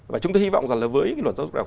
và chúng ta hy vọng là với luật giáo dục đại học